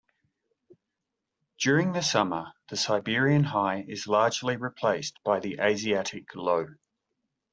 During the summer, the Siberian High is largely replaced by the Asiatic low.